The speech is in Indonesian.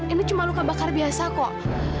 ini cuma luka bakar biasa kok